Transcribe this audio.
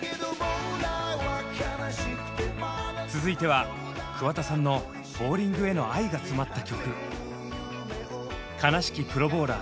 続いては桑田さんのボウリングへの愛が詰まった曲「悲しきプロボウラー」。